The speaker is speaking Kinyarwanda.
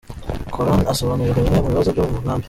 Koran asobanurirwa bimwe mu bibazo byo mu nkambi.